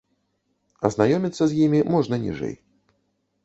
Азнаёміцца з імі можна ніжэй.